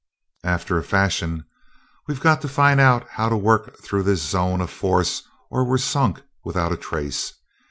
"After a fashion. We've got to find out how to work through this zone of force or we're sunk without a trace.